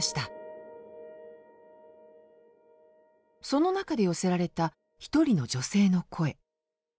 その中で寄せられた一人の女性の声。